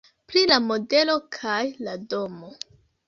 Pri la modelo kaj la domo.